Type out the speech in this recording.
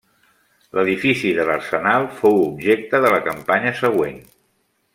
L'edifici de l'arsenal fou objecte de la campanya següent.